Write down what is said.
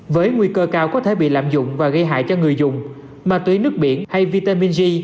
với nguy cơ cao có thể bị lạm dụng và gây hại cho người dùng ma túy nước biển hay vitamin g